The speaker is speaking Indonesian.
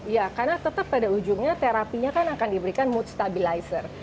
ya karena tetap pada ujungnya terapinya kan akan diberikan mood stabilizer